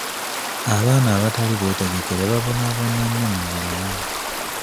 Abaana abatali beetegekere babonaabona nnyo mu bulamu.